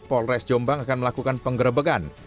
polres jombang akan melakukan penggerebekan